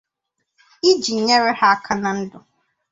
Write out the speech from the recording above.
iji nyere ha aka na ndụ